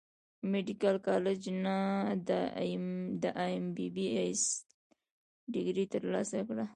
ميديکل کالج نۀ د ايم بي بي ايس ډګري تر لاسه کړه